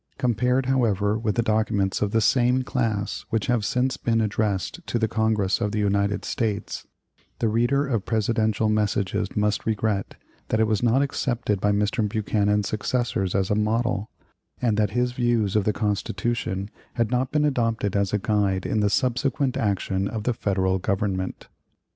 Compared, however, with documents of the same class which have since been addressed to the Congress of the United States, the reader of Presidential messages must regret that it was not accepted by Mr. Buchanan's successors as a model, and that his views of the Constitution had not been adopted as a guide in the subsequent action of the Federal Government.